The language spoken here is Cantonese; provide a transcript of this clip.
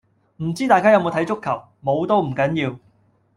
唔知大家有冇睇足球，冇都唔緊要